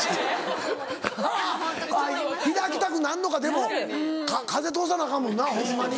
はぁ開きたくなんのかでも風通さなアカンもんなホンマに。